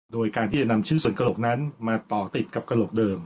โดยการที่จะนำชิ้นส่วนกระโหลกนั้นมาต่อติดกับกระโหลกเดิม